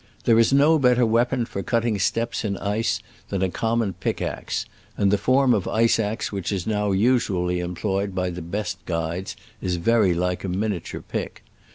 There is no better weapon for cutting steps in ice than a common pick axe, and the forai of ice axe which is now usually employed by the best guides is very like a minia ture pick.